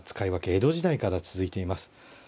江戸時代から続いています。